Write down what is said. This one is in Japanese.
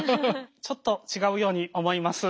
ちょっと違うように思います。